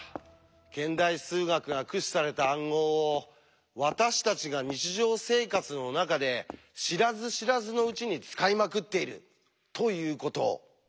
現代数学が駆使された暗号を私たちが日常生活の中で知らず知らずのうちに使いまくっているということを。